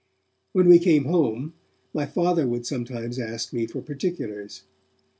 When we came home, my Father would sometimes ask me for particulars.